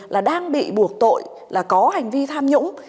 là đang bị buộc tội là có hành vi tham nhũng